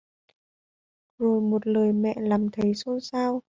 Rồi một lời nhẹ lắm thấy xôn xao